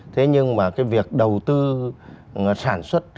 thế nhưng mà cái việc đầu tư sản xuất